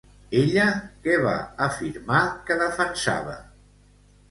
Ella què va afirmar que defensava?